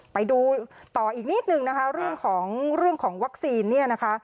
ไปดูต่ออีกนิดนึงนะคะเรื่องของเรื่องของวัคซีนเนี่ยนะคะ